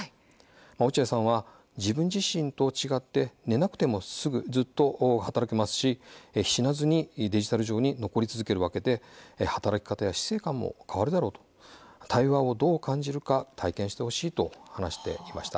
落合さんは自分自身と違って寝なくてもずっと働けますし死なずにデジタル上に残り続けるわけで働き方や死生観も変わるだろうと対話をどう感じるか体験してほしいと話していました。